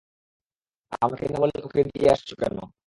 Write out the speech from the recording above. আমাকে না বলে ওকে দিয়ে আসছো কেন?